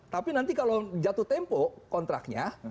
tapi nanti kalau jatuh tempo kontraknya